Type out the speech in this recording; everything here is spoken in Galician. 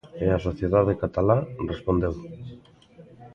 E a sociedade catalá respondeu.